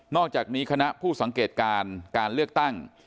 อกจากนี้คณะผู้สังเกตการการเลือกตั้ง